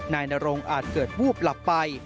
นายนรงอาจเกิดวูบหลับไป